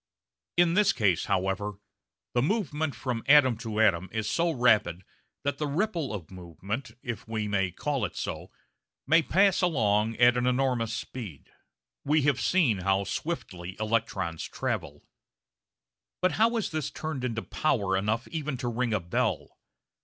In this case, however, the movement from atom to atom is so rapid that the ripple of movement, if we may call it so, may pass along at an enormous speed. We have seen how swiftly electrons travel. But how is this turned into power enough even to ring a bell?